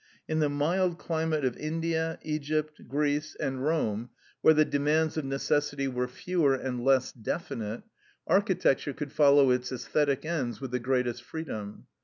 In the mild climate of India, Egypt, Greece, and Rome, where the demands of necessity were fewer and less definite, architecture could follow its æsthetic ends with the greatest freedom.